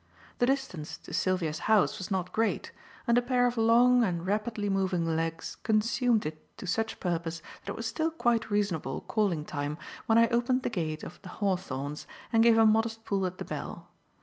The distance to Sylvia's house was not great, and a pair of long and rapidly moving legs consumed it to such purpose that it was still quite reasonable calling time when I opened the gate of "The Hawthorns" and gave a modest pull at the bell.